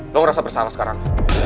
lo ngerasa bersalah sekarang